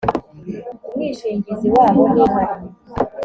umwishingizi wabo niba ahari